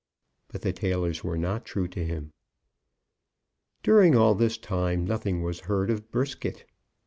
But the tailors were not true to him. During all this time nothing was heard of Brisket.